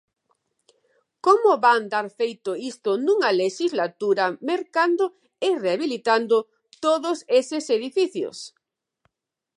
¿Como van dar feito isto nunha lexislatura mercando e rehabilitando todos eses edificios?